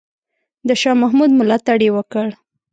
د شاه محمود ملاتړ یې وکړ.